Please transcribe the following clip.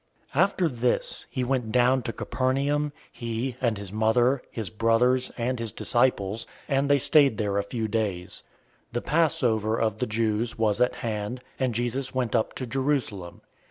002:012 After this, he went down to Capernaum, he, and his mother, his brothers, and his disciples; and they stayed there a few days. 002:013 The Passover of the Jews was at hand, and Jesus went up to Jerusalem.